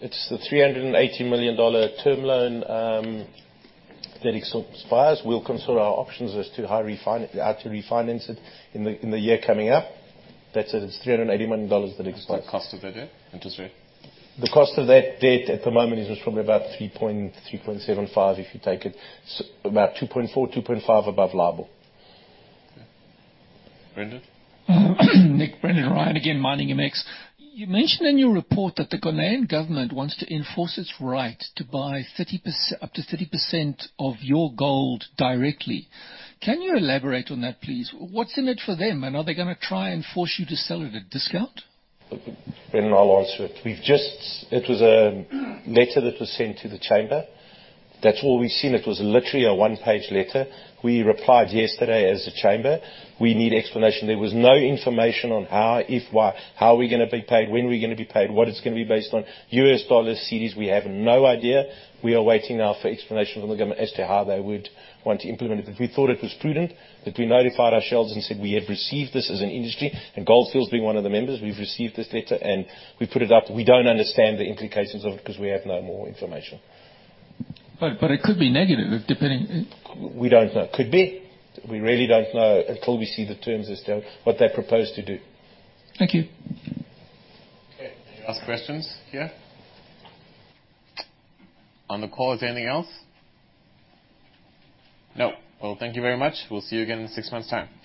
It's the ZAR 380 million term loan that expires. We'll consider our options as to how to refinance it in the year coming up. That's it. It's ZAR 380 million that expires. What's the cost of that debt, interest rate? The cost of that debt at the moment is just probably about 3.75 if you take it. About 2.4, 2.5 above LIBOR. Okay. Brendan? Nick. Brendan Ryan again, Miningmx. You mentioned in your report that the Ghanaian government wants to enforce its right to buy up to 30% of your gold directly. Can you elaborate on that, please? What's in it for them, are they gonna try and force you to sell at a discount? Brendan, I'll answer it. It was a letter that was sent to the chamber. That's all we've seen. It was literally a one-page letter. We replied yesterday as a chamber. We need explanation. There was no information on how, if, why. How are we gonna be paid? When are we gonna be paid? What it's gonna be based on? US dollars, cedis. We have no idea. We are waiting now for explanation from the government as to how they would want to implement it. We thought it was prudent that we notified ourselves and said we have received this as an industry, and Gold Fields being one of the members. We've received this letter, and we put it up. We don't understand the implications of it because we have no more information. It could be negative, depending- We don't know. Could be. We really don't know until we see the terms as to what they propose to do. Thank you. Okay. Any last questions here? On the call, is there anything else? No. Well, thank you very much. We'll see you again in six months time.